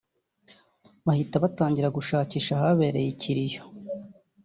bahita batangira gushakisha ahabereye ikiriyo